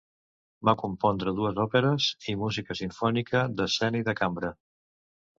Va compondre dues òperes i música simfònica, d'escena i de cambra.